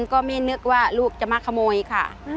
ก็ไม่นึกว่าลูกจะมาขโมยค่ะ